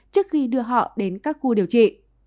trước khi đưa họ đến các khu điều trị